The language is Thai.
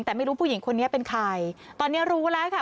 แต่ไม่รู้ผู้หญิงคนนี้เป็นใครตอนนี้รู้แล้วค่ะ